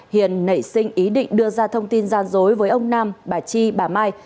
hiền nảy sinh ý định đưa ra thông tin gian dối với ông nam bà chi bà mai